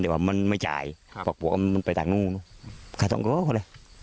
แต่ว่ามันไม่จ่ายปอกปวกมันไปต่างตรงนู้นค่ะต้องก็ก็เลย